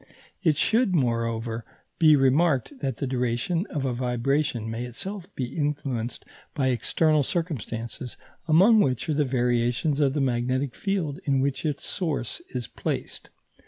It should, moreover, be remarked that the duration of a vibration may itself be influenced by external circumstances, among which are the variations of the magnetic field in which its source is placed.